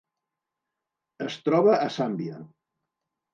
Es troba a Zàmbia.